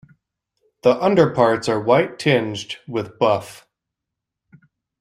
The underparts are white tinged with buff.